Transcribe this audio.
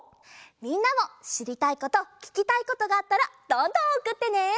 みんなもしりたいことききたいことがあったらどんどんおくってね！